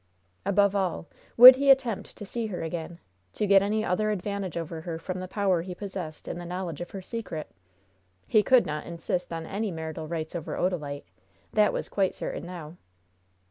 Above all, would he attempt to see her again, to get any other advantage over her from the power he possessed in the knowledge of her secret? He could not insist on any marital rights over Odalite that was quite certain now.